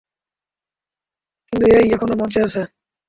কিন্তু, এই, এখনও মঞ্চে আছ।